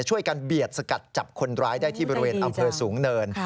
เบียดสกัดจับคนร้ายได้ที่บริเวณอำเภอสูงเนิน